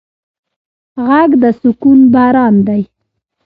غږ د سکون باران دی